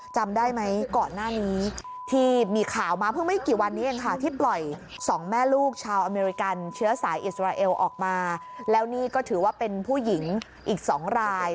จำได้ไหมก่อนหน้านี้ที่มีข่าวมาเพิ่งไม่กี่วันนี้เองค่ะที่ปล่อยสองแม่ลูกชาวอเมริกันเชื้อสายอิสราเอลออกมาแล้วนี่ก็ถือว่าเป็นผู้หญิงอีก๒ราย